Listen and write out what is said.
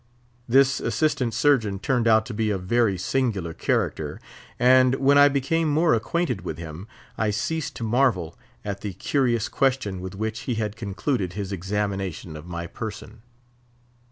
This Assistant Surgeon turned out to be a very singular character, and when I became more acquainted with him, I ceased to marvel at the curious question with which he had concluded his examination of my person.